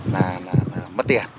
là mất tiền